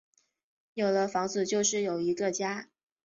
有了房子就是有一个家